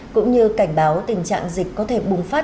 cũng như cảnh báo tình trạng dịch có thể bùng phát